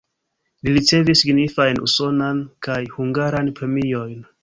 Li ricevis signifajn usonan kaj hungaran premiojn.